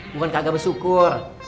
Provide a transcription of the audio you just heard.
bukan kagak bersyukur